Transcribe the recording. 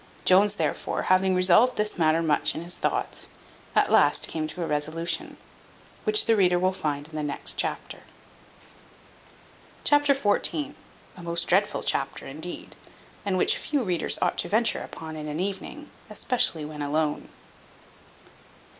Jones therefore, having revolved this matter much in his thoughts, at last came to a resolution, which the reader will find in the next chapter. Chapter xiv. A most dreadful chapter indeed; and which few readers ought to venture upon in an evening, especially when alone.